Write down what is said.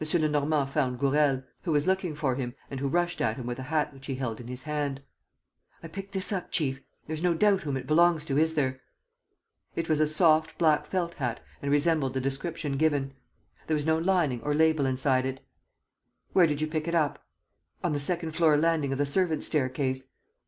Lenormand found Gourel, who was looking for him and who rushed at him with a hat which he held in his hand: "I picked this up, chief. ... There's no doubt whom it belongs to, is there?" It was a soft, black felt hat and resembled the description given. There was no lining or label inside it. "Where did you pick it up?" "On the second floor landing of the servants' staircase."